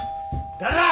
誰だ！？